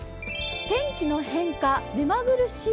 天下の変化、目まぐるしい。